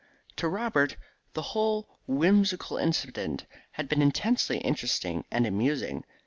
To Robert the whole whimsical incident had been intensely interesting and amusing.